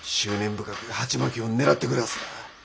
深くハチマキをねらってくるはずだ。